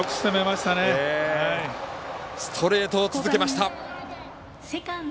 ストレートを続けました。